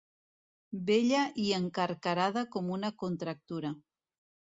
Bella i encarcarada com una contractura.